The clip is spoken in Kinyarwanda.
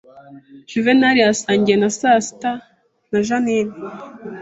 Juvenali yasangiye na sasita na Jeaninne